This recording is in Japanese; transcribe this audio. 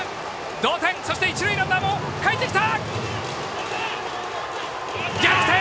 同点、そして一塁ランナーもかえってきた！